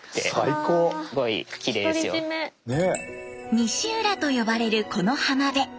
西浦と呼ばれるこの浜辺。